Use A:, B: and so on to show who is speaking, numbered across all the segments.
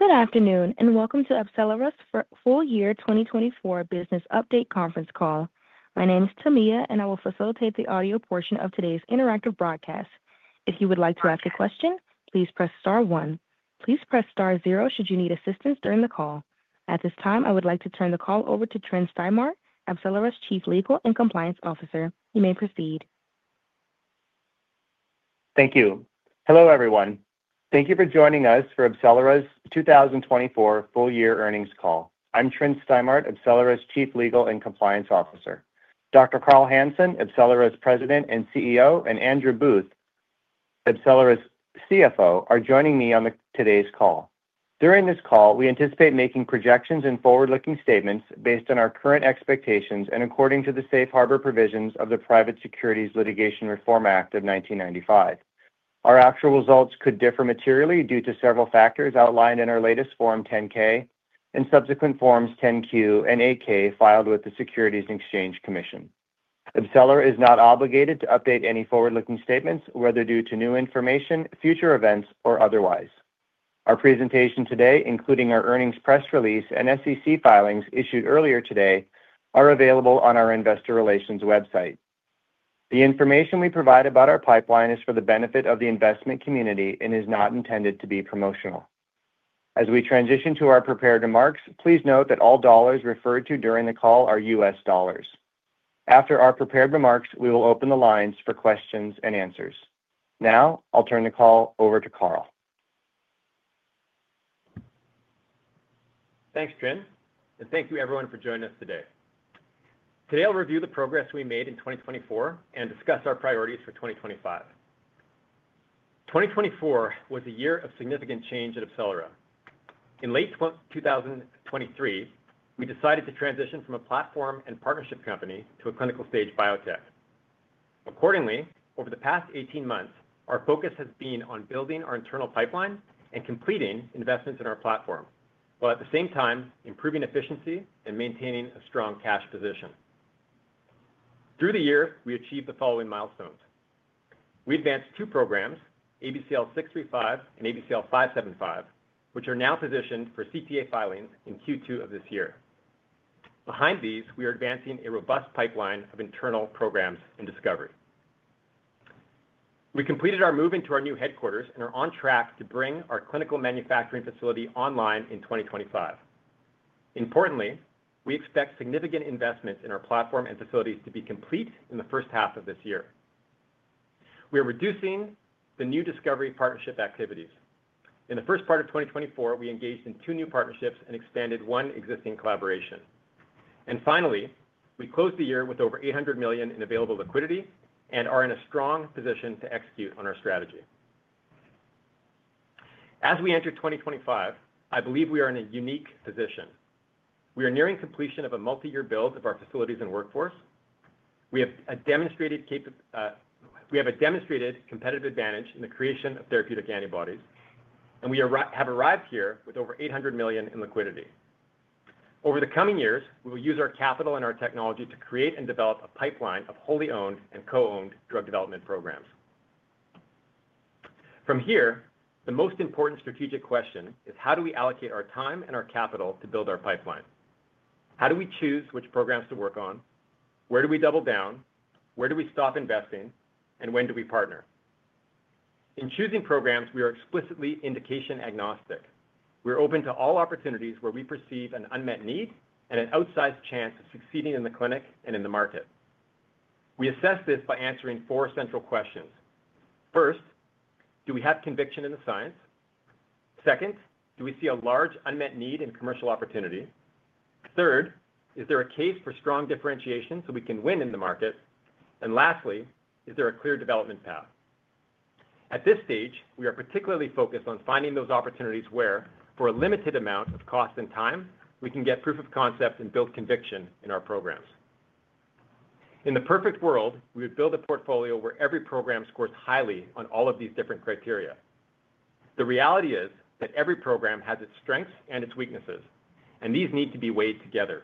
A: Good afternoon and welcome to AbCellera's full year 2024 business update conference call. My name is Tamia and I will facilitate the audio portion of today's interactive broadcast. If you would like to ask a question, please press star one. Please press star zero should you need assistance during the call. At this time, I would like to turn the call over to Tryn Stimart, AbCellera's Chief Legal and Compliance Officer. You may proceed.
B: Thank you. Hello everyone. Thank you for joining us for AbCellera's 2024 full year earnings call. I'm Tryn Stimart, AbCellera's Chief Legal and Compliance Officer. Dr. Carl Hansen, AbCellera's President and CEO, and Andrew Booth, AbCellera's CFO, are joining me on today's call. During this call, we anticipate making projections and forward-looking statements based on our current expectations and according to the Safe Harbor provisions of the Private Securities Litigation Reform Act of 1995. Our actual results could differ materially due to several factors outlined in our latest Form 10-K and subsequent Forms 10-Q and 8-K filed with the Securities and Exchange Commission. AbCellera is not obligated to update any forward-looking statements, whether due to new information, future events, or otherwise. Our presentation today, including our earnings press release and SEC filings issued earlier today, are available on our investor relations website. The information we provide about our pipeline is for the benefit of the investment community and is not intended to be promotional. As we transition to our prepared remarks, please note that all dollars referred to during the call are U.S. dollars. After our prepared remarks, we will open the lines for questions and answers. Now, I'll turn the call over to Carl.
C: Thanks, Tryn, and thank you everyone for joining us today. Today, I'll review the progress we made in 2024 and discuss our priorities for 2025. 2024 was a year of significant change at AbCellera. In late 2023, we decided to transition from a platform and partnership company to a clinical stage biotech. Accordingly, over the past 18 months, our focus has been on building our internal pipeline and completing investments in our platform, while at the same time improving efficiency and maintaining a strong cash position. Through the year, we achieved the following milestones. We advanced two programs, ABCL635 and ABCL575, which are now positioned for CTA filings in Q2 of this year. Behind these, we are advancing a robust pipeline of internal programs and discovery. We completed our move into our new headquarters and are on track to bring our clinical manufacturing facility online in 2025. Importantly, we expect significant investments in our platform and facilities to be complete in the first half of this year. We are reducing the new discovery partnership activities. In the first part of 2024, we engaged in two new partnerships and expanded one existing collaboration. Finally, we closed the year with over $800 million in available liquidity and are in a strong position to execute on our strategy. As we enter 2025, I believe we are in a unique position. We are nearing completion of a multi-year build of our facilities and workforce. We have a demonstrated competitive advantage in the creation of therapeutic antibodies, and we have arrived here with over $800 million in liquidity. Over the coming years, we will use our capital and our technology to create and develop a pipeline of wholly owned and co-owned drug development programs. From here, the most important strategic question is how do we allocate our time and our capital to build our pipeline? How do we choose which programs to work on? Where do we double down? Where do we stop investing? When do we partner? In choosing programs, we are explicitly indication agnostic. We are open to all opportunities where we perceive an unmet need and an outsized chance of succeeding in the clinic and in the market. We assess this by answering four central questions. First, do we have conviction in the science? Second, do we see a large unmet need and commercial opportunity? Third, is there a case for strong differentiation so we can win in the market? Lastly, is there a clear development path? At this stage, we are particularly focused on finding those opportunities where, for a limited amount of cost and time, we can get proof of concept and build conviction in our programs. In the perfect world, we would build a portfolio where every program scores highly on all of these different criteria. The reality is that every program has its strengths and its weaknesses, and these need to be weighed together.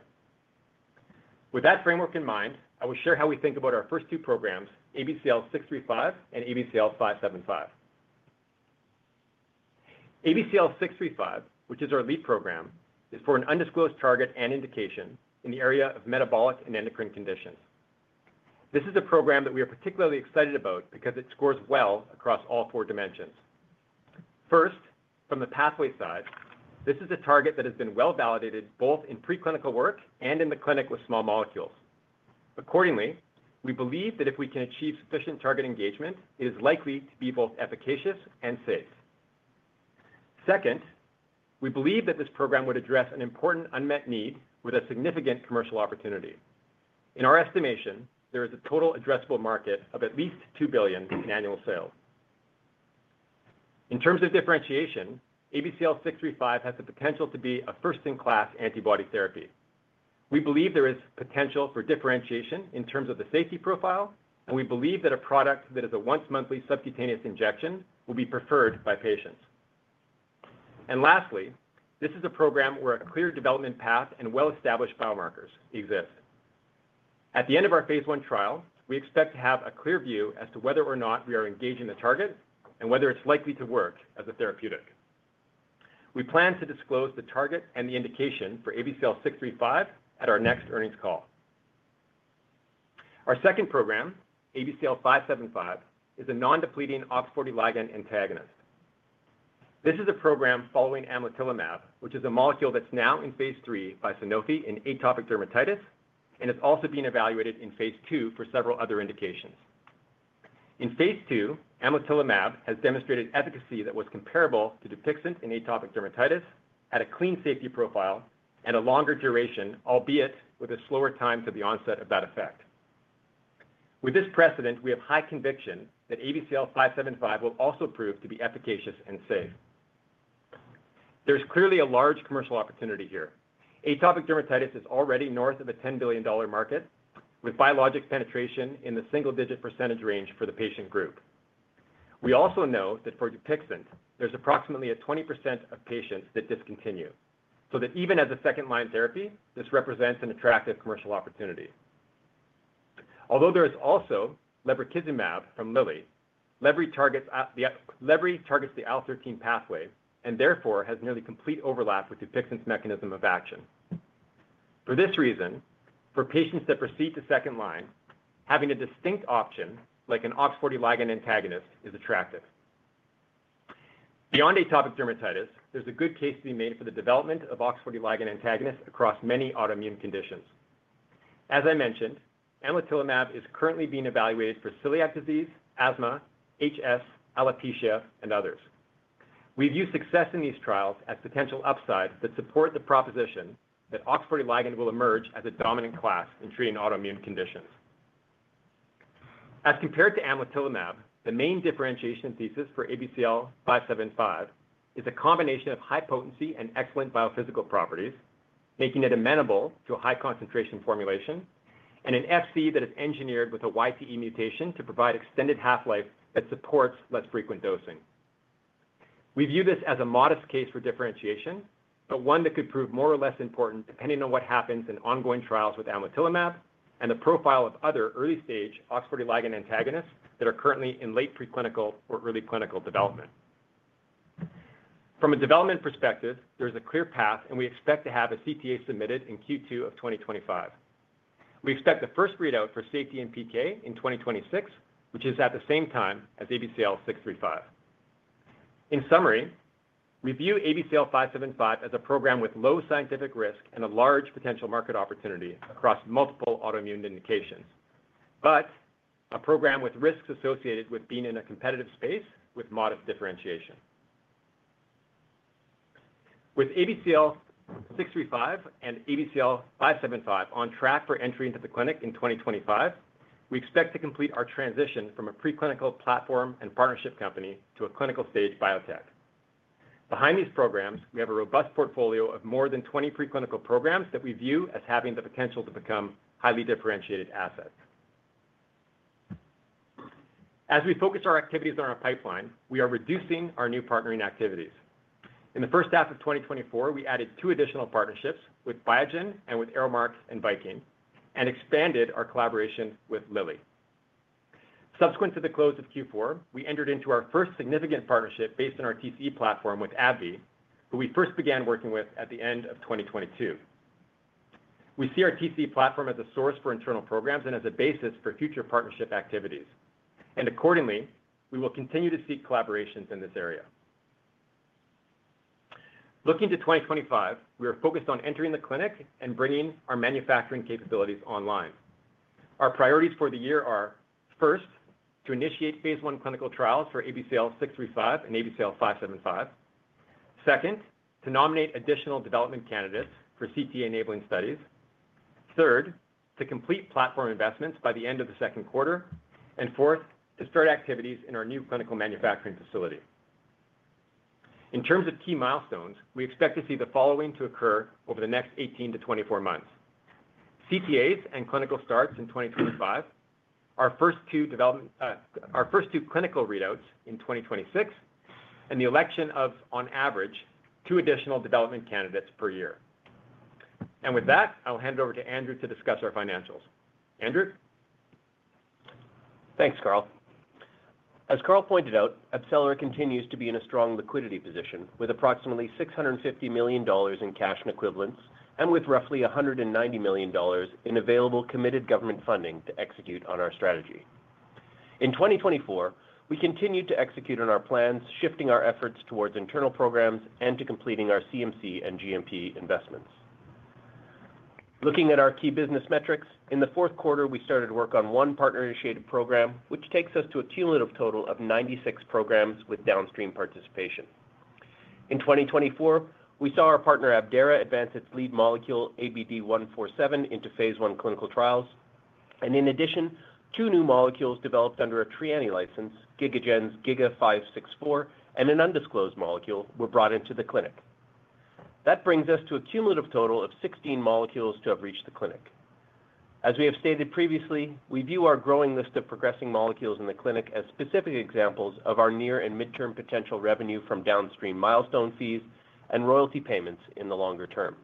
C: With that framework in mind, I will share how we think about our first two programs, ABCL635 and ABCL575. ABCL635, which is our lead program, is for an undisclosed target and indication in the area of metabolic and endocrine conditions. This is a program that we are particularly excited about because it scores well across all four dimensions. First, from the pathway side, this is a target that has been well validated both in preclinical work and in the clinic with small molecules. Accordingly, we believe that if we can achieve sufficient target engagement, it is likely to be both efficacious and safe. Second, we believe that this program would address an important unmet need with a significant commercial opportunity. In our estimation, there is a total addressable market of at least $2 billion in annual sales. In terms of differentiation, ABCL635 has the potential to be a first-in-class antibody therapy. We believe there is potential for differentiation in terms of the safety profile, and we believe that a product that is a once-monthly subcutaneous injection will be preferred by patients. Lastly, this is a program where a clear development path and well-established biomarkers exist. At the end of our phase I trial, we expect to have a clear view as to whether or not we are engaging the target and whether it's likely to work as a therapeutic. We plan to disclose the target and the indication for ABCL635 at our next earnings call. Our second program, ABCL575, is a non-depleting OX40 ligand antagonist. This is a program following Amlitelimab, which is a molecule that's now in phase III by Sanofi in atopic dermatitis, and it's also being evaluated in phase II for several other indications. In phase II, Amlitelimab has demonstrated efficacy that was comparable to Dupixent in atopic dermatitis at a clean safety profile and a longer duration, albeit with a slower time to the onset of that effect. With this precedent, we have high conviction that ABCL575 will also prove to be efficacious and safe. There is clearly a large commercial opportunity here. Atopic dermatitis is already north of a $10 billion market, with biologic penetration in the single-digit % range for the patient group. We also know that for Dupixent, there's approximately 20% of patients that discontinue, so that even as a second-line therapy, this represents an attractive commercial opportunity. Although there is also Lebrikizumab from Lilly, lebrikizumab targets the IL-13 pathway and therefore has nearly complete overlap with Dupixent's mechanism of action. For this reason, for patients that proceed to second line, having a distinct option like an OX40 ligand antagonist is attractive. Beyond atopic dermatitis, there's a good case to be made for the development of OX40 ligand antagonists across many autoimmune conditions. As I mentioned, Amlitelimab is currently being evaluated for celiac disease, asthma, HS, alopecia, and others. We view success in these trials as potential upside that supports the proposition that OX40 ligand will emerge as a dominant class in treating autoimmune conditions. As compared to Amlitelimab, the main differentiation thesis for ABCL575 is a combination of high potency and excellent biophysical properties, making it amenable to a high-concentration formulation, and an Fc that is engineered with a YTE mutation to provide extended half-life that supports less frequent dosing. We view this as a modest case for differentiation, but one that could prove more or less important depending on what happens in ongoing trials with Amlitelimab and the profile of other early-stage OX40 ligand antagonists that are currently in late preclinical or early clinical development. From a development perspective, there is a clear path, and we expect to have a CTA submitted in Q2 of 2025. We expect the first readout for safety and PK in 2026, which is at the same time as ABCL635. In summary, we view ABCL575 as a program with low scientific risk and a large potential market opportunity across multiple autoimmune indications, but a program with risks associated with being in a competitive space with modest differentiation. With ABCL635 and ABCL575 on track for entry into the clinic in 2025, we expect to complete our transition from a preclinical platform and partnership company to a clinical stage biotech. Behind these programs, we have a robust portfolio of more than 20 preclinical programs that we view as having the potential to become highly differentiated assets. As we focus our activities on our pipeline, we are reducing our new partnering activities. In the first half of 2024, we added two additional partnerships with Biogen and with Viking, and expanded our collaboration with Lilly. Subsequent to the close of Q4, we entered into our first significant partnership based on our TCE platform with AbbVie, who we first began working with at the end of 2022. We see our TCE platform as a source for internal programs and as a basis for future partnership activities. Accordingly, we will continue to seek collaborations in this area. Looking to 2025, we are focused on entering the clinic and bringing our manufacturing capabilities online. Our priorities for the year are, first, to initiate phase I clinical trials for ABCL635 and ABCL575. Second, to nominate additional development candidates for CTA enabling studies. Third, to complete platform investments by the end of the second quarter. Fourth, to start activities in our new clinical manufacturing facility. In terms of key milestones, we expect to see the following to occur over the next 18 months-24 months: CTAs and clinical starts in 2025, our first two clinical readouts in 2026, and the election of, on average, two additional development candidates per year. With that, I'll hand it over to Andrew to discuss our financials. Andrew?
D: Thanks, Carl. As Carl pointed out, AbCellera continues to be in a strong liquidity position with approximately $650 million in cash and equivalents, and with roughly $190 million in available committed government funding to execute on our strategy. In 2024, we continued to execute on our plans, shifting our efforts towards internal programs and to completing our CMC and GMP investments. Looking at our key business metrics, in the fourth quarter, we started work on one partner-initiated program, which takes us to a cumulative total of 96 programs with downstream participation. In 2024, we saw our partner Abdera advance its lead molecule ABD147 into phase I clinical trials. In addition, two new molecules developed under a Trianni license, GigaGen's Giga564, and an undisclosed molecule were brought into the clinic. That brings us to a cumulative total of 16 molecules to have reached the clinic. As we have stated previously, we view our growing list of progressing molecules in the clinic as specific examples of our near and midterm potential revenue from downstream milestone fees and royalty payments in the longer term.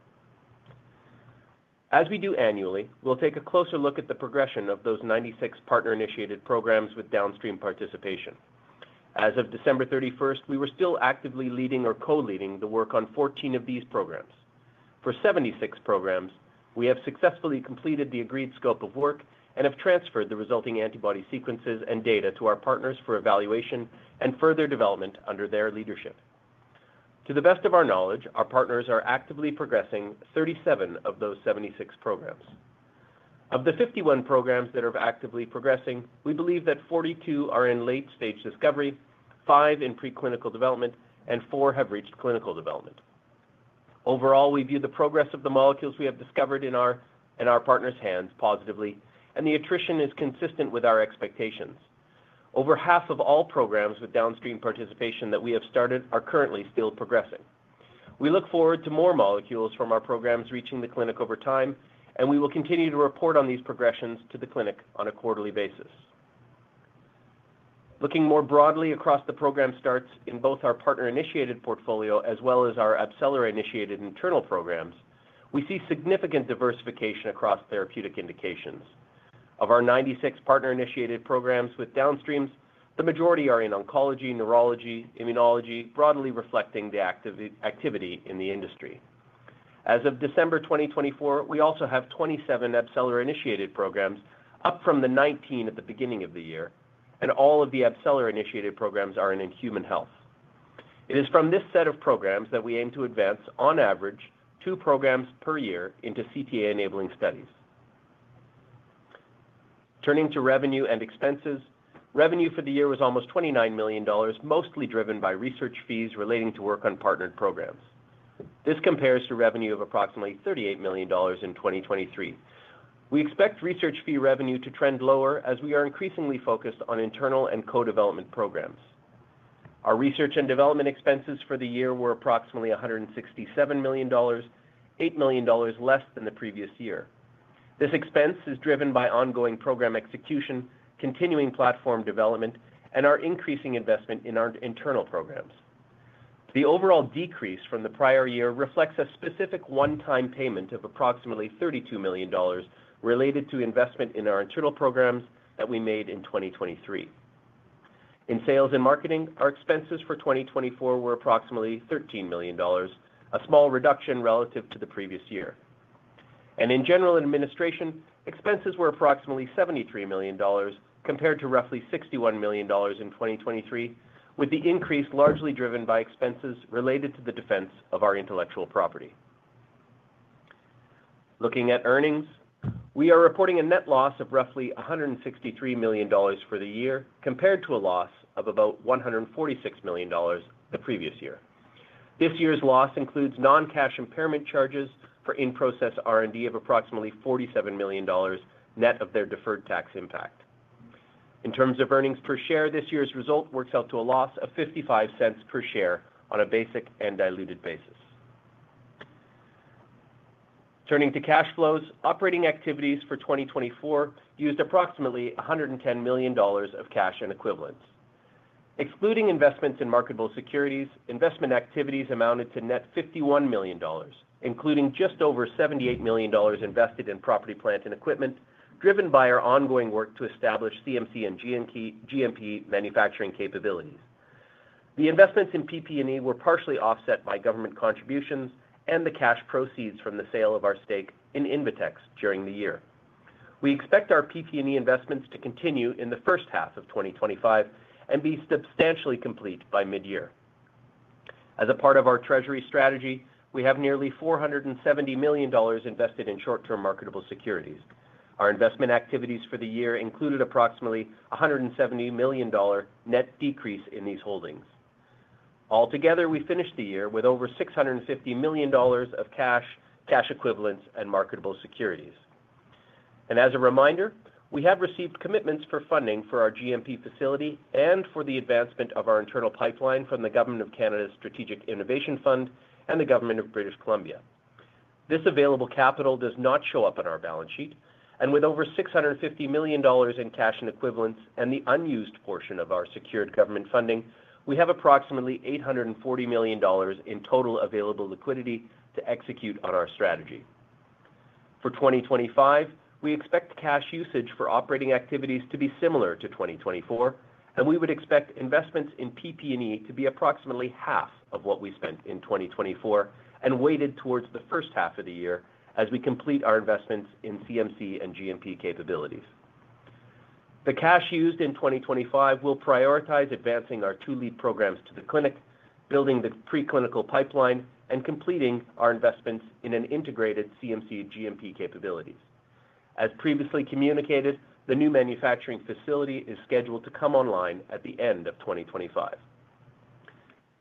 D: As we do annually, we will take a closer look at the progression of those 96 partner-initiated programs with downstream participation. As of December 31, we were still actively leading or co-leading the work on 14 of these programs. For 76 programs, we have successfully completed the agreed scope of work and have transferred the resulting antibody sequences and data to our partners for evaluation and further development under their leadership. To the best of our knowledge, our partners are actively progressing 37 of those 76 programs. Of the 51 programs that are actively progressing, we believe that 42 are in late-stage discovery, five in preclinical development, and four have reached clinical development. Overall, we view the progress of the molecules we have discovered in our partners' hands positively, and the attrition is consistent with our expectations. Over half of all programs with downstream participation that we have started are currently still progressing. We look forward to more molecules from our programs reaching the clinic over time, and we will continue to report on these progressions to the clinic on a quarterly basis. Looking more broadly across the program starts in both our partner-initiated portfolio as well as our AbCellera-initiated internal programs, we see significant diversification across therapeutic indications. Of our 96 partner-initiated programs with downstreams, the majority are in oncology, neurology, immunology, broadly reflecting the activity in the industry. As of December 2024, we also have 27 AbCellera-initiated programs, up from the 19 at the beginning of the year, and all of the AbCellera-initiated programs are in human health. It is from this set of programs that we aim to advance, on average, two programs per year into CTA enabling studies. Turning to revenue and expenses, revenue for the year was almost $29 million, mostly driven by research fees relating to work on partnered programs. This compares to revenue of approximately $38 million in 2023. We expect research fee revenue to trend lower as we are increasingly focused on internal and co-development programs. Our research and development expenses for the year were approximately $167 million, $8 million less than the previous year. This expense is driven by ongoing program execution, continuing platform development, and our increasing investment in our internal programs. The overall decrease from the prior year reflects a specific one-time payment of approximately $32 million related to investment in our internal programs that we made in 2023. In sales and marketing, our expenses for 2024 were approximately $13 million, a small reduction relative to the previous year. In general administration, expenses were approximately $73 million compared to roughly $61 million in 2023, with the increase largely driven by expenses related to the defense of our intellectual property. Looking at earnings, we are reporting a net loss of roughly $163 million for the year compared to a loss of about $146 million the previous year. This year's loss includes non-cash impairment charges for in-process R&D of approximately $47 million net of their deferred tax impact. In terms of earnings per share, this year's result works out to a loss of $0.55 per share on a basic and diluted basis. Turning to cash flows, operating activities for 2024 used approximately $110 million of cash and equivalents. Excluding investments in marketable securities, investment activities amounted to net $51 million, including just over $78 million invested in property, plant, and equipment, driven by our ongoing work to establish CMC and GMP manufacturing capabilities. The investments in PP&E were partially offset by government contributions and the cash proceeds from the sale of our stake in Invetx during the year. We expect our PP&E investments to continue in the first half of 2025 and be substantially complete by mid-year. As a part of our treasury strategy, we have nearly $470 million invested in short-term marketable securities. Our investment activities for the year included approximately $170 million net decrease in these holdings. Altogether, we finished the year with over $650 million of cash, cash equivalents, and marketable securities. As a reminder, we have received commitments for funding for our GMP facility and for the advancement of our internal pipeline from the Government of Canada's Strategic Innovation Fund and the Government of British Columbia. This available capital does not show up on our balance sheet. With over $650 million in cash and equivalents and the unused portion of our secured government funding, we have approximately $840 million in total available liquidity to execute on our strategy. For 2025, we expect cash usage for operating activities to be similar to 2024, and we would expect investments in PP&E to be approximately half of what we spent in 2024 and weighted towards the first half of the year as we complete our investments in CMC and GMP capabilities. The cash used in 2025 will prioritize advancing our two lead programs to the clinic, building the preclinical pipeline, and completing our investments in an integrated CMC/GMP capabilities. As previously communicated, the new manufacturing facility is scheduled to come online at the end of 2025.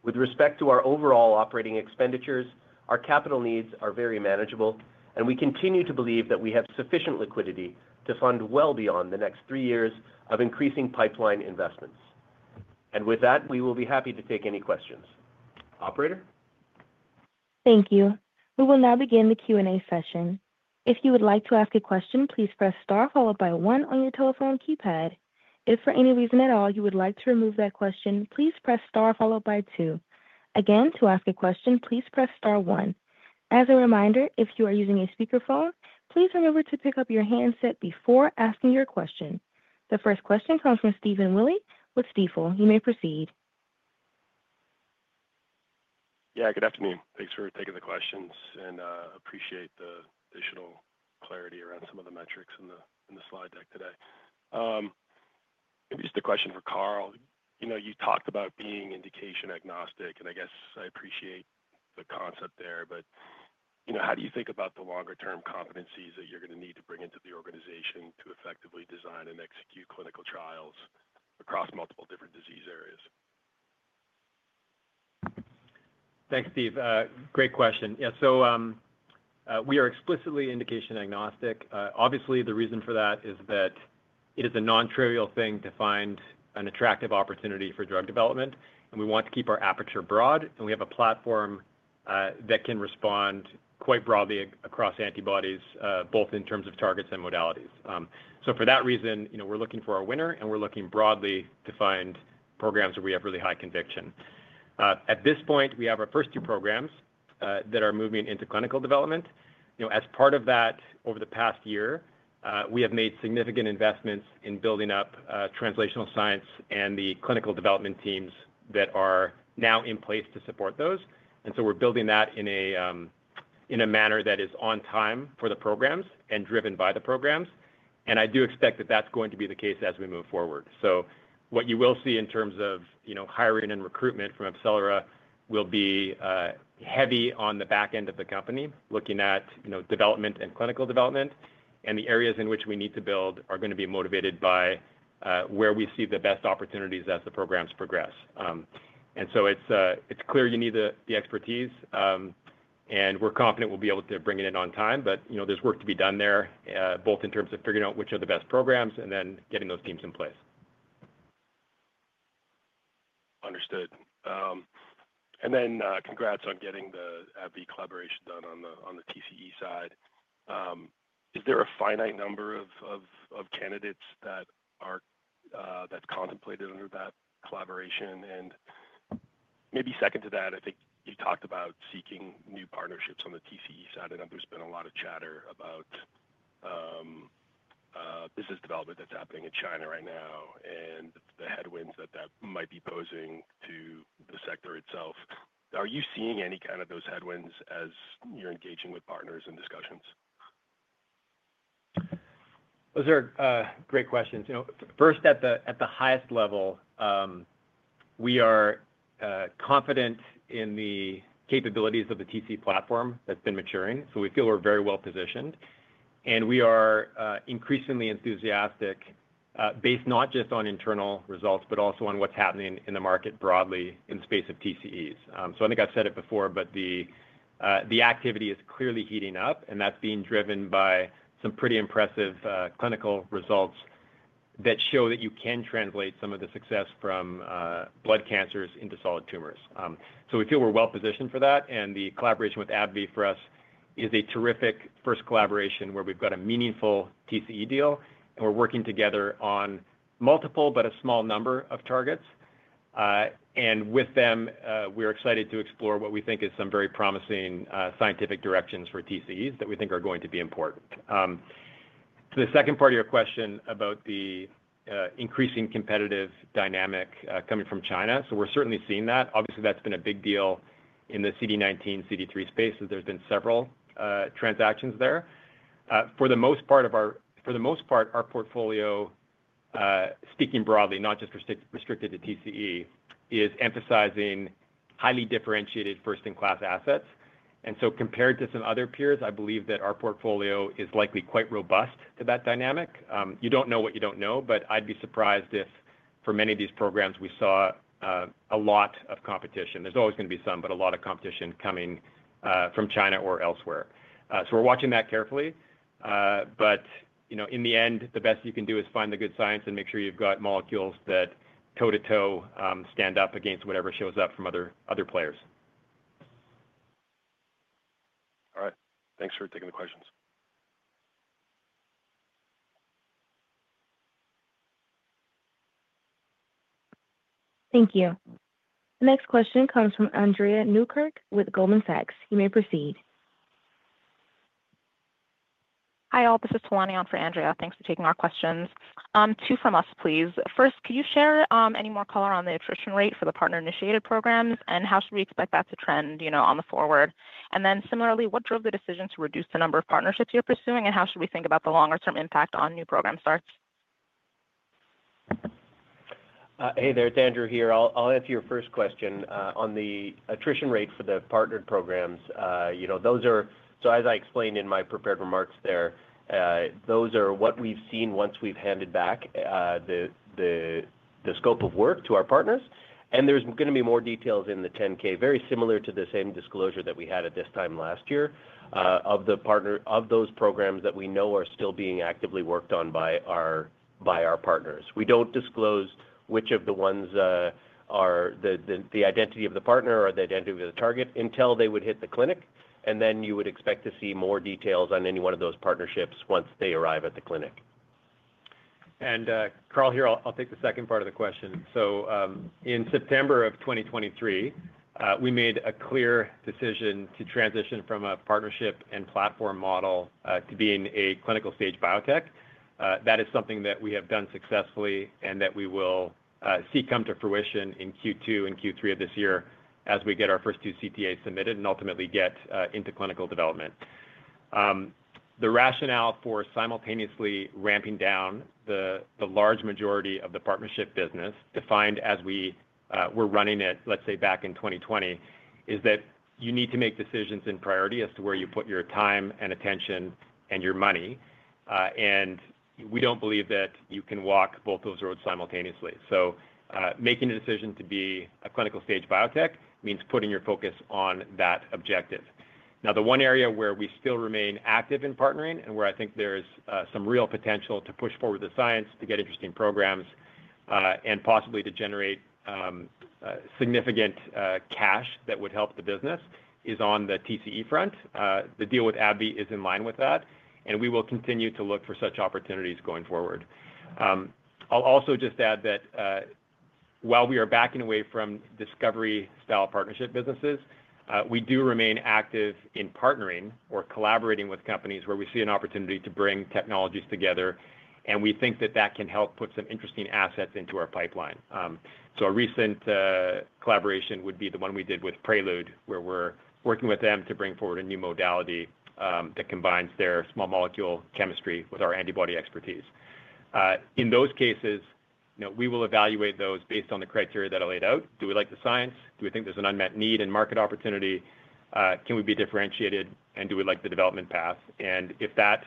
D: With respect to our overall operating expenditures, our capital needs are very manageable, and we continue to believe that we have sufficient liquidity to fund well beyond the next three years of increasing pipeline investments. We will be happy to take any questions. Operator?
A: Thank you. We will now begin the Q&A session. If you would like to ask a question, please press star followed by one on your telephone keypad. If for any reason at all you would like to remove that question, please press star followed by two. Again, to ask a question, please press star one. As a reminder, if you are using a speakerphone, please remember to pick up your handset before asking your question. The first question comes from Stephen Willey with Stifel. You may proceed.
E: Yeah, good afternoon. Thanks for taking the questions, and I appreciate the additional clarity around some of the metrics in the slide deck today. Maybe just a question for Carl. You talked about being indication agnostic, and I guess I appreciate the concept there, but how do you think about the longer-term competencies that you're going to need to bring into the organization to effectively design and execute clinical trials across multiple different disease areas?
C: Thanks, Steve. Great question. Yeah, we are explicitly indication agnostic. Obviously, the reason for that is that it is a non-trivial thing to find an attractive opportunity for drug development, and we want to keep our aperture broad, and we have a platform that can respond quite broadly across antibodies, both in terms of targets and modalities. For that reason, we're looking for our winner, and we're looking broadly to find programs where we have really high conviction. At this point, we have our first two programs that are moving into clinical development. As part of that, over the past year, we have made significant investments in building up translational science and the clinical development teams that are now in place to support those. We are building that in a manner that is on time for the programs and driven by the programs. I do expect that that's going to be the case as we move forward. What you will see in terms of hiring and recruitment from AbCellera will be heavy on the back end of the company, looking at development and clinical development. The areas in which we need to build are going to be motivated by where we see the best opportunities as the programs progress. It is clear you need the expertise, and we're confident we'll be able to bring it in on time, but there's work to be done there, both in terms of figuring out which are the best programs and then getting those teams in place.
E: Understood. Congratulations on getting the collaboration done on the TCE side. Is there a finite number of candidates that's contemplated under that collaboration? Maybe second to that, I think you talked about seeking new partnerships on the TCE side, and there's been a lot of chatter about business development that's happening in China right now and the headwinds that that might be posing to the sector itself. Are you seeing any kind of those headwinds as you're engaging with partners in discussions?
D: Those are great questions. First, at the highest level, we are confident in the capabilities of the TC platform that's been maturing. We feel we're very well positioned. We are increasingly enthusiastic, based not just on internal results, but also on what's happening in the market broadly in the space of TCEs. I think I've said it before, but the activity is clearly heating up, and that's being driven by some pretty impressive clinical results that show that you can translate some of the success from blood cancers into solid tumors. We feel we're well positioned for that, and the collaboration with AbbVie for us is a terrific first collaboration where we've got a meaningful TCE deal, and we're working together on multiple, but a small number of targets. With them, we're excited to explore what we think is some very promising scientific directions for TCEs that we think are going to be important. To the second part of your question about the increasing competitive dynamic coming from China, we're certainly seeing that. Obviously, that's been a big deal in the CD19, CD3 space, as there's been several transactions there. For the most part of our portfolio, speaking broadly, not just restricted to TCE, is emphasizing highly differentiated first-in-class assets. Compared to some other peers, I believe that our portfolio is likely quite robust to that dynamic. You don't know what you don't know, but I'd be surprised if for many of these programs, we saw a lot of competition. There's always going to be some, but a lot of competition coming from China or elsewhere. We're watching that carefully, but in the end, the best you can do is find the good science and make sure you've got molecules that toe-to-toe stand up against whatever shows up from other players.
E: All right. Thanks for taking the questions.
A: Thank you. The next question comes from Andrea Tan with Goldman Sachs. You may proceed.
F: Hi, all. This is Tania for Andrea. Thanks for taking our questions. Two from us, please. First, could you share any more color on the attrition rate for the partner-initiated programs, and how should we expect that to trend on the forward? Similarly, what drove the decision to reduce the number of partnerships you're pursuing, and how should we think about the longer-term impact on new program starts?
D: Hey there, Andrew here. I'll answer your first question. On the attrition rate for the partnered programs, those are, as I explained in my prepared remarks there, those are what we've seen once we've handed back the scope of work to our partners. There is going to be more details in the 10-K, very similar to the same disclosure that we had at this time last year of those programs that we know are still being actively worked on by our partners. We don't disclose which of the ones are the identity of the partner or the identity of the target until they would hit the clinic, and you would expect to see more details on any one of those partnerships once they arrive at the clinic. Carl here, I'll take the second part of the question. In September of 2023, we made a clear decision to transition from a partnership and platform model to being a clinical-stage biotech. That is something that we have done successfully and that we will see come to fruition in Q2 and Q3 of this year as we get our first two CTAs submitted and ultimately get into clinical development. The rationale for simultaneously ramping down the large majority of the partnership business, defined as we were running it, let's say back in 2020, is that you need to make decisions in priority as to where you put your time and attention and your money. We don't believe that you can walk both those roads simultaneously. Making a decision to be a clinical-stage biotech means putting your focus on that objective. Now, the one area where we still remain active in partnering and where I think there's some real potential to push forward the science, to get interesting programs, and possibly to generate significant cash that would help the business is on the TCE front. The deal with AbbVie is in line with that, and we will continue to look for such opportunities going forward. I'll also just add that while we are backing away from discovery-style partnership businesses, we do remain active in partnering or collaborating with companies where we see an opportunity to bring technologies together, and we think that that can help put some interesting assets into our pipeline. A recent collaboration would be the one we did with Prelude, where we're working with them to bring forward a new modality that combines their small molecule chemistry with our antibody expertise. In those cases, we will evaluate those based on the criteria that are laid out. Do we like the science? Do we think there's an unmet need and market opportunity? Can we be differentiated? Do we like the development path? If that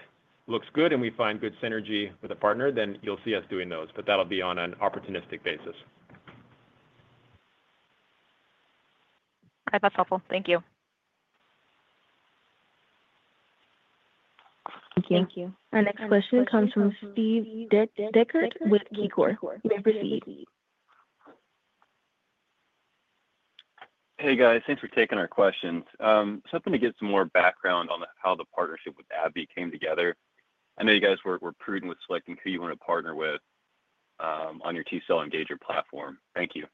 D: looks good and we find good synergy with a partner, you'll see us doing those, but that'll be on an opportunistic basis.
F: All right, that's helpful. Thank you.
A: Thank you. Our next question comes from Steve Deckert with KeyBanc. You may proceed.
G: Hey, guys. Thanks for taking our questions. Something to get some more background on how the partnership with AbbVie came together. I know you guys were prudent with selecting who you want to partner with on your T-cell engager platform. Thank you.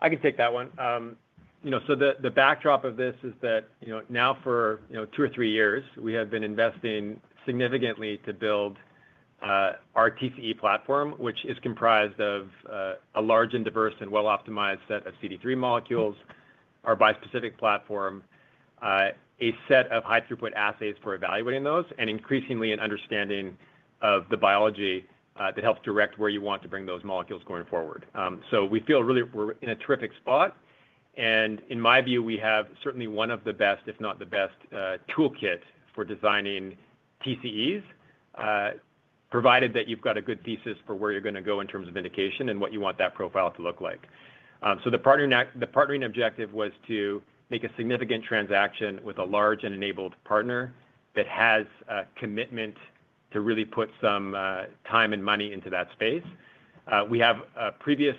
D: I can take that one. The backdrop of this is that now for two or three years, we have been investing significantly to build our TCE platform, which is comprised of a large and diverse and well-optimized set of CD3 molecules, our bispecific platform, a set of high-throughput assays for evaluating those, and increasingly an understanding of the biology that helps direct where you want to bring those molecules going forward. We feel really we're in a terrific spot. In my view, we have certainly one of the best, if not the best, toolkit for designing TCEs, provided that you've got a good thesis for where you're going to go in terms of indication and what you want that profile to look like. The partnering objective was to make a significant transaction with a large and enabled partner that has a commitment to really put some time and money into that space. We have a previous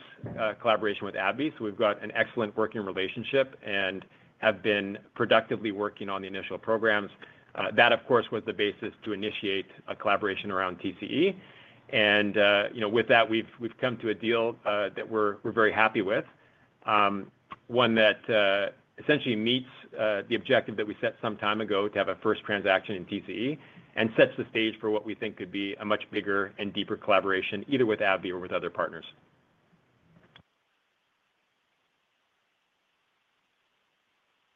D: collaboration with AbbVie, so we've got an excellent working relationship and have been productively working on the initial programs. That, of course, was the basis to initiate a collaboration around TCE. With that, we've come to a deal that we're very happy with, one that essentially meets the objective that we set some time ago to have a first transaction in TCE and sets the stage for what we think could be a much bigger and deeper collaboration, either with AbbVie or with other partners.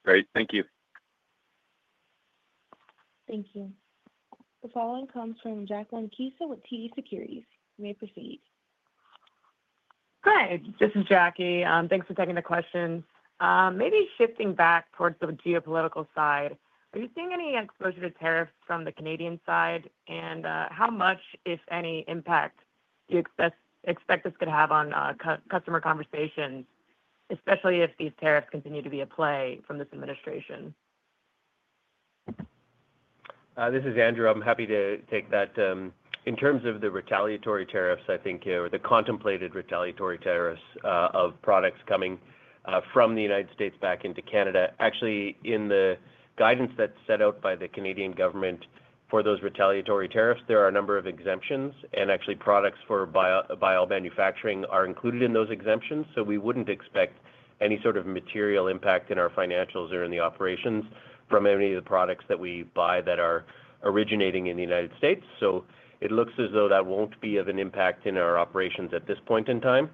G: Great. Thank you.
A: Thank you. The following comes from Jacqueline Kisa with TD Securities. You may proceed.
H: Hi, this is Jackie. Thanks for taking the question. Maybe shifting back towards the geopolitical side, are you seeing any exposure to tariffs from the Canadian side? How much, if any, impact do you expect this could have on customer conversations, especially if these tariffs continue to be at play from this administration?
D: This is Andrew. I'm happy to take that. In terms of the retaliatory tariffs, I think, or the contemplated retaliatory tariffs of products coming from the United States back into Canada, actually, in the guidance that's set out by the Canadian government for those retaliatory tariffs, there are a number of exemptions, and actually, products for biomanufacturing are included in those exemptions. We wouldn't expect any sort of material impact in our financials or in the operations from any of the products that we buy that are originating in the United States. It looks as though that won't be of an impact in our operations at this point in time.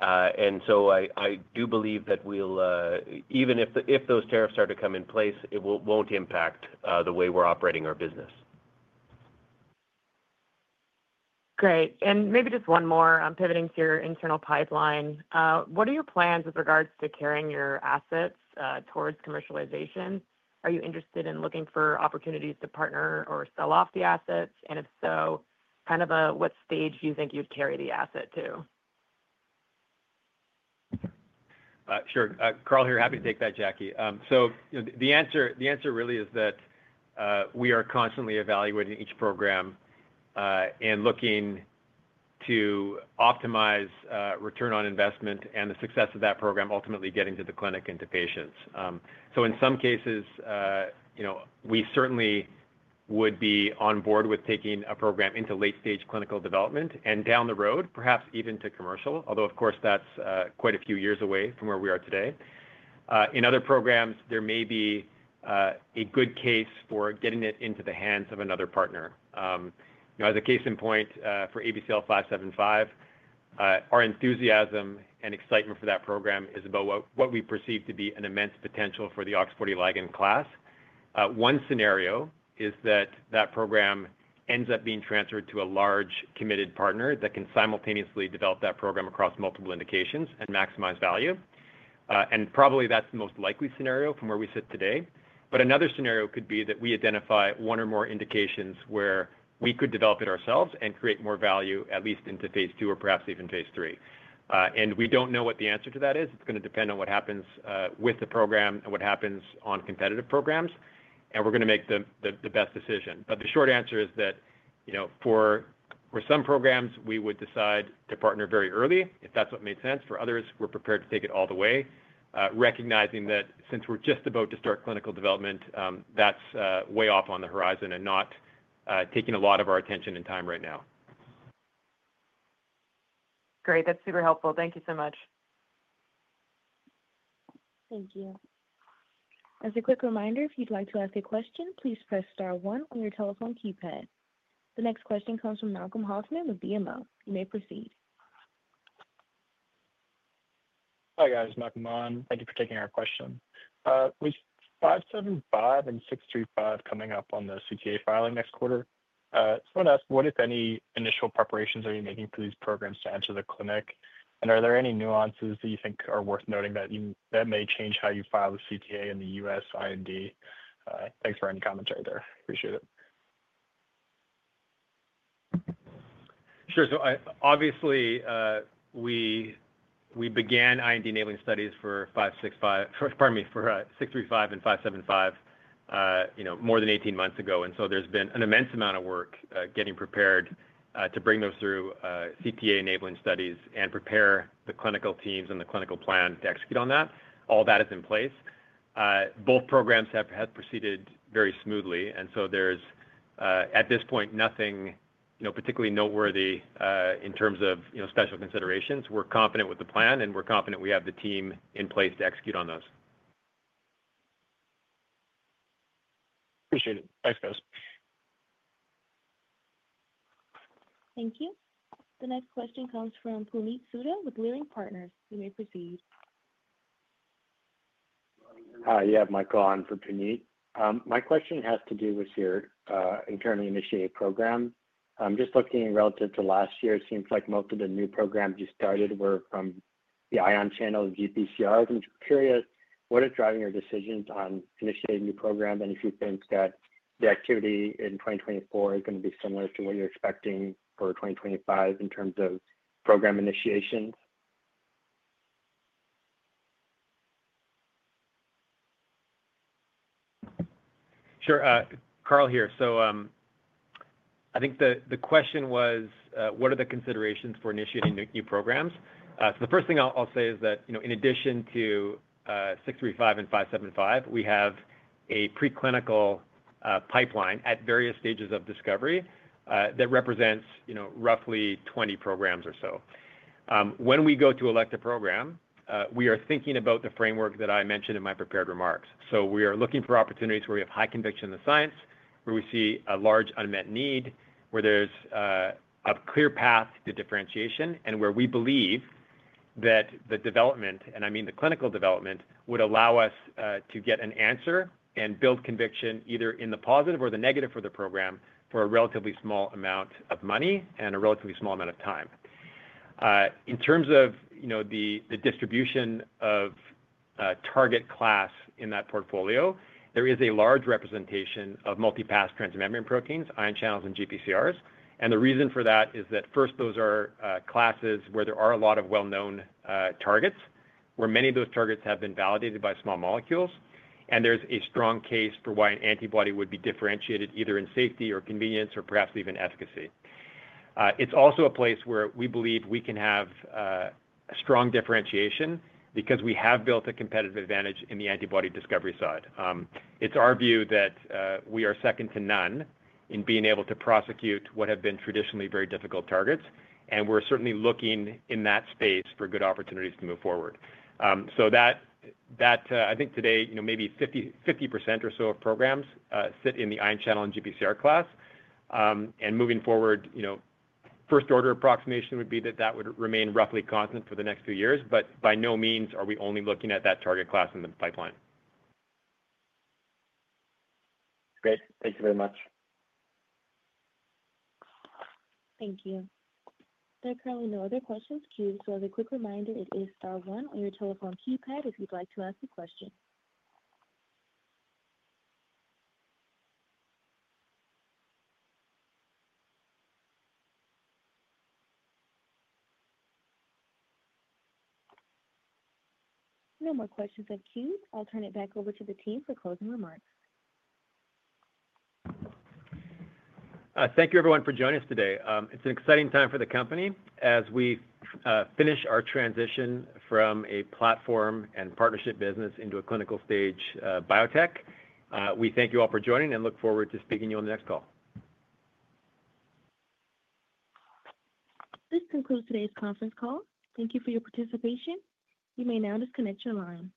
D: I do believe that we'll, even if those tariffs are to come in place, it won't impact the way we're operating our business.
H: Great. Maybe just one more. I'm pivoting to your internal pipeline. What are your plans with regards to carrying your assets towards commercialization? Are you interested in looking for opportunities to partner or sell off the assets? If so, kind of what stage do you think you'd carry the asset to?
C: Sure. Carl here, happy to take that, Jackie. The answer really is that we are constantly evaluating each program and looking to optimize return on investment and the success of that program, ultimately getting to the clinic and to patients. In some cases, we certainly would be on board with taking a program into late-stage clinical development and down the road, perhaps even to commercial, although, of course, that's quite a few years away from where we are today. In other programs, there may be a good case for getting it into the hands of another partner. As a case in point for ABCL575, our enthusiasm and excitement for that program is about what we perceive to be an immense potential for the OX40 ligand class. One scenario is that that program ends up being transferred to a large committed partner that can simultaneously develop that program across multiple indications and maximize value. Probably that's the most likely scenario from where we sit today. Another scenario could be that we identify one or more indications where we could develop it ourselves and create more value, at least into phase two or perhaps even phase three. We don't know what the answer to that is. It's going to depend on what happens with the program and what happens on competitive programs, and we're going to make the best decision. The short answer is that for some programs, we would decide to partner very early if that's what made sense. For others, we're prepared to take it all the way, recognizing that since we're just about to start clinical development, that's way off on the horizon and not taking a lot of our attention and time right now.
H: Great. That's super helpful. Thank you so much.
A: Thank you. As a quick reminder, if you'd like to ask a question, please press star one on your telephone keypad. The next question comes from Malcolm Hoffman with BMO. You may proceed.
I: Hi guys. Malcolm on. Thank you for taking our question. With 575 and 635 coming up on the CTA filing next quarter, I just want to ask what, if any, initial preparations are you making for these programs to enter the clinic? Are there any nuances that you think are worth noting that may change how you file the CTA in the U.S. IND? Thanks for any commentary there. Appreciate it.
D: Sure. Obviously, we began IND enabling studies for 635 and 575 more than 18 months ago. There has been an immense amount of work getting prepared to bring those through CTA enabling studies and prepare the clinical teams and the clinical plan to execute on that. All that is in place. Both programs have proceeded very smoothly. At this point, there is nothing particularly noteworthy in terms of special considerations. We are confident with the plan, and we are confident we have the team in place to execute on those.
I: Appreciate it. Thanks, guys.
A: Thank you. The next question comes from Puneet Souda with Leerink Partners. You may proceed.
J: Hi. Yeah, Michael on for Puneet. My question has to do with your internal initiated program. I'm just looking relative to last year. It seems like most of the new programs you started were from the ion channel and GPCR. I'm just curious, what is driving your decisions on initiating a new program and if you think that the activity in 2024 is going to be similar to what you're expecting for 2025 in terms of program initiations?
C: Sure. Carl here. I think the question was, what are the considerations for initiating new programs? The first thing I'll say is that in addition to 635 and 575, we have a preclinical pipeline at various stages of discovery that represents roughly 20 programs or so. When we go to elect a program, we are thinking about the framework that I mentioned in my prepared remarks. We are looking for opportunities where we have high conviction in the science, where we see a large unmet need, where there's a clear path to differentiation, and where we believe that the development, and I mean the clinical development, would allow us to get an answer and build conviction either in the positive or the negative for the program for a relatively small amount of money and a relatively small amount of time. In terms of the distribution of target class in that portfolio, there is a large representation of multi-pass transmembrane proteins, ion channels, and GPCRs. The reason for that is that first, those are classes where there are a lot of well-known targets, where many of those targets have been validated by small molecules, and there's a strong case for why an antibody would be differentiated either in safety or convenience or perhaps even efficacy. It's also a place where we believe we can have a strong differentiation because we have built a competitive advantage in the antibody discovery side. It's our view that we are second to none in being able to prosecute what have been traditionally very difficult targets, and we're certainly looking in that space for good opportunities to move forward. I think today, maybe 50% or so of programs sit in the ion channel and GPCR class. Moving forward, first-order approximation would be that that would remain roughly constant for the next few years, but by no means are we only looking at that target class in the pipeline.
I: Great. Thank you very much.
A: Thank you. There are currently no other questions. Q, so as a quick reminder, it is star one on your telephone keypad if you'd like to ask a question. No more questions of Queue. I'll turn it back over to the team for closing remarks.
C: Thank you, everyone, for joining us today. It's an exciting time for the company as we finish our transition from a platform and partnership business into a clinical stage biotech. We thank you all for joining and look forward to speaking to you on the next call.
A: This concludes today's conference call. Thank you for your participation. You may now disconnect your line.